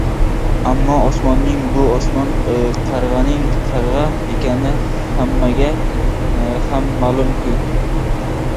Ammo osmonning – bu osmon, qarg‘aning – qarg‘a ekani hammaga ham ma’lum-ku!